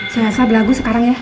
si elsa belagu sekarang ya